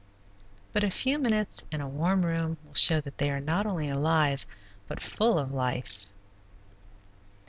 But a few minutes in a warm room will show that they are not only alive, but full of life.